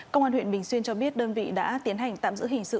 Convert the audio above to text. công an huyện bình xuyên cho biết đơn vị đã tiến hành tạm giữ hình sự